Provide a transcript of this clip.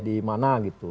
di mana gitu